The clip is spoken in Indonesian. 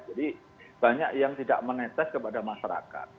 jadi banyak yang tidak menetes kepada masyarakat